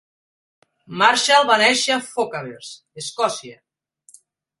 Marshall va néixer a Fochabers, Escòcia.